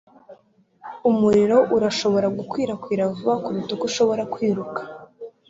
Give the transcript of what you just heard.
Umuriro urashobora gukwirakwira vuba kuruta uko ushobora kwiruka